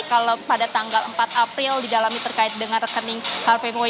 kalau pada tanggal empat april didalami terkait dengan rekening herve mois